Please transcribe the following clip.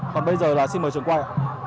còn bây giờ là xin mời trường quay